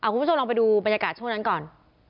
คุณผู้ชมลองไปดูบรรยากาศก่อน